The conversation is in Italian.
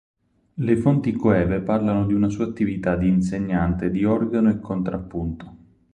Le fonti coeve parlano di una sua attività di insegnante di organo e contrappunto.